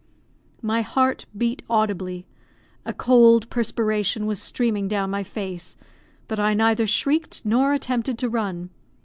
My heart beat audibly; a cold perspiration was streaming down my face, but I neither shrieked nor attempted to run.